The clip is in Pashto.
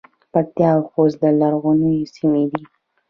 پکتیا او خوست لرغونې سیمې دي